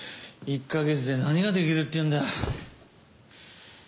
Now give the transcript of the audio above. １か月で何ができるっていうんだ。